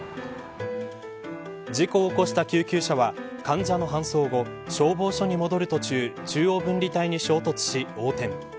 事故を起こした救急車は患者の搬送後消防署に戻る途中中央分離帯に衝突し横転。